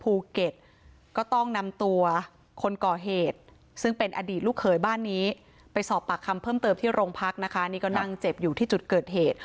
ภูเก็ตก็ต้องนำตัวคนก่อเหตุซึ่งเป็นอดีตลูกเขยบ้านนี้ไปสอบปากคำเพิ่มเติมที่โรงพักนะคะนี่ก็นั่งเจ็บอยู่ที่จุดเกิดเหตุ